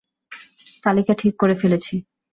তালিকা ঠিক করে ফেলেছি।